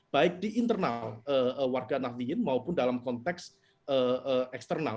baik di internal warga nahdiyin maupun dalam konteks eksternal